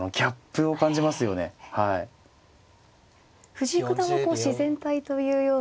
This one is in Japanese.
藤井九段はこう自然体というような。